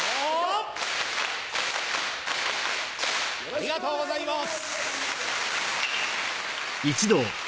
ありがとうございます。